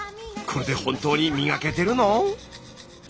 これで本当に磨けてるの？